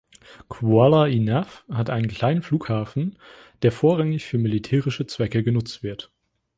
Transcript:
Qala-i-Naw hat einen kleinen Flughafen, der vorrangig für militärische Zwecke genutzt wird.